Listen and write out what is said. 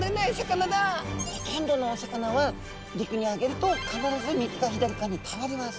ほとんどのお魚は陸にあげると必ず右か左かに倒れます。